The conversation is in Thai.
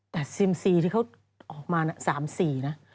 แต่ซิมซีที่เขาออกมา๓๔นะ